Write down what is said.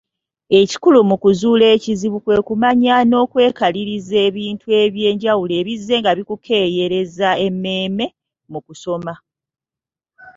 Ekikulu mu kuzuula ekizibu kwe kumanya n’okwekaliriza ebintu eby’enjawulo ebizzenga bikukeeyereza emmeeme mu kusoma.